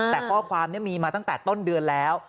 แต่ข้อความนี้มีมาตั้งแต่ต้นเดือนแล้ว